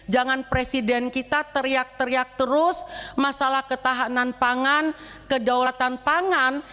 jangan presiden kita teriak teriak terus masalah ketahanan pangan kedaulatan pangan